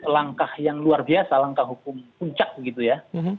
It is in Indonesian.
langkah yang luar biasa langkah hukum puncak begitu ya